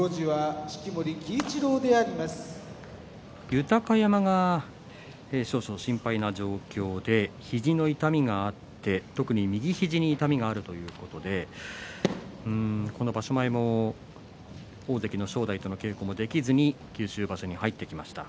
豊山が少々、心配な状況で肘の痛みがあって特に右肘に痛みがあるということでこの場所前も大関の正代との稽古もできずに九州場所に入ってきました。